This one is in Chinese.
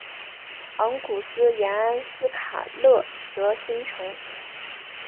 昂古斯廷埃斯卡勒德新城。